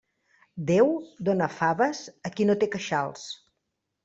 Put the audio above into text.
Déu dóna faves a qui no té queixals.